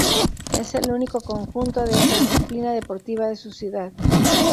Es el único conjunto de esta disciplina deportiva de su ciudad.